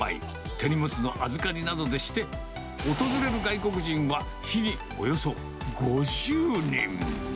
手荷物の預かりなどでして、訪れる外国人は、日々、およそ５０人。